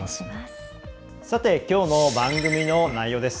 きょうの番組の内容です。